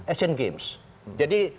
asian games jadi